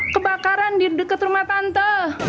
kebakaran di dekat rumah tante